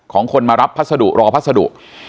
คนมารับพัสดุรอพัสดุ